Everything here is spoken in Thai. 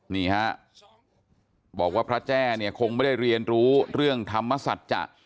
นี่ฮะบอกว่าพระแจ้เนี่ยคงไม่ได้เรียนรู้เรื่องธรรมสัจจะ